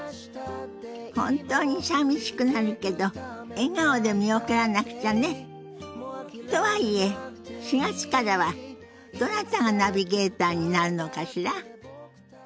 本当にさみしくなるけど笑顔で見送らなくちゃね。とはいえ４月からはどなたがナビゲーターになるのかしら？